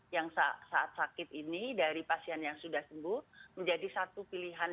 yang saat sakit ini dari pasien yang sudah sembuh menjadi satu pilihan